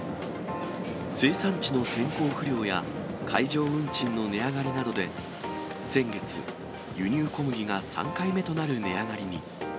生産地の天候不良や海上運賃の値上がりなどで、先月、輸入小麦が３回目となる値上がりに。